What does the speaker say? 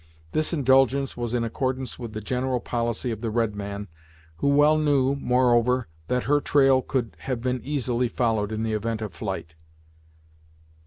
This indulgence was in accordance with the general policy of the red man, who well knew, moreover, that her trail could have been easily followed in the event of flight.